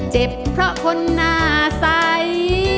เจ็บเพราะคนหน้าใส